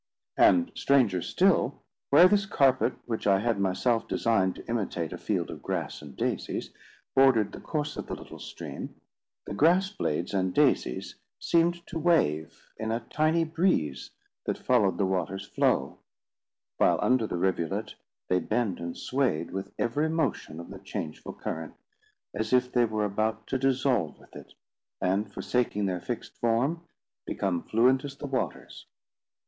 And, stranger still, where this carpet, which I had myself designed to imitate a field of grass and daisies, bordered the course of the little stream, the grass blades and daisies seemed to wave in a tiny breeze that followed the water's flow; while under the rivulet they bent and swayed with every motion of the changeful current, as if they were about to dissolve with it, and, forsaking their fixed form, become fluent as the waters.